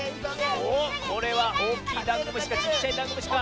おこれはおおきいダンゴムシかちっちゃいダンゴムシか？